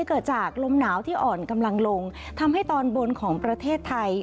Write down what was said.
เกิดจากลมหนาวที่อ่อนกำลังลงทำให้ตอนบนของประเทศไทย